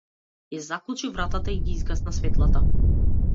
Ја заклучи вратата и ги изгасна светлата.